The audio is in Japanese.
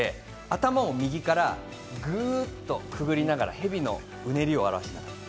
頭を右からぐっとくぐりながら蛇のうねりを表します。